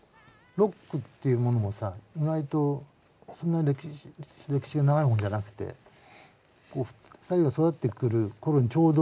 ロックっていうものもさ意外とそんなに歴史が長いものじゃなくて２人が育ってくる頃にちょうど。